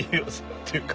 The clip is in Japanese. っていうか。